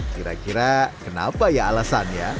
kira kira kenapa ya alasannya